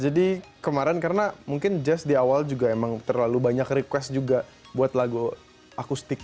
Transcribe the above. jadi kemarin karena mungkin jazz di awal juga emang terlalu banyak request juga buat lagu akustik